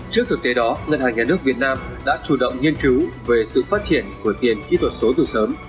trước thực tế đó ngân hàng nhà nước việt nam đã chủ động nghiên cứu về sự phát triển của tiền kỹ thuật số từ sớm